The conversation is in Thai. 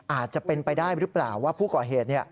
อาจจะเป็นไปได้หรือเปล่าว่าผู้ก่อเหตุ